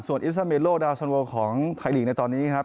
ส่วนอิปซาเมโลดาวสันวงศ์ของไทยลีกในตอนนี้นะครับ